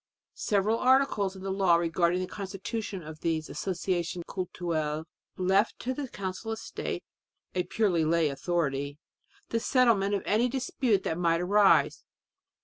Several articles in the law regarding the constitution of these Associations Cultuelles left to the Council of State a purely lay authority the settlement of any dispute that might arise.